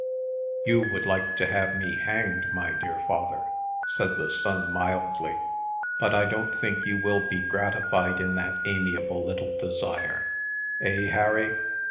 "You would like to have me hanged, my dear father," said the son, mildly; "but I don't think you will be gratified in that amiable little desire. Eh, Harry?"